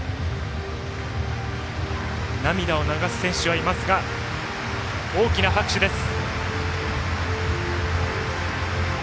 涙を流す選手もいますが大きな拍手です。